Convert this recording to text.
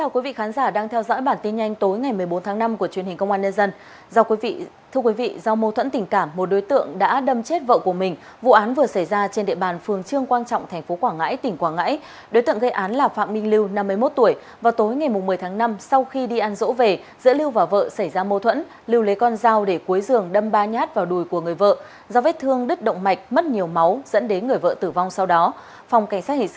cảm ơn các bạn đã theo dõi